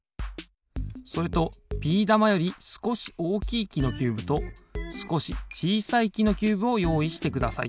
それとビー玉よりすこしおおきいきのキューブとすこしちいさいきのキューブをよういしてください。